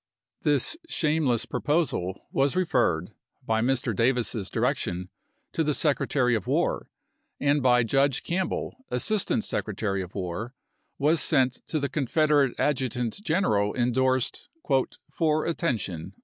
52. This shameless proposal was referred, by Mr. Davis's direction, to the Secretary of War ; and by Judge Campbell, Assistant Secretary of War, was sent to the Confederate Adjutant General indorsed "for attention."